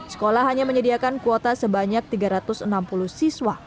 sekolah hanya menyediakan kuota sebanyak tiga ratus enam puluh siswa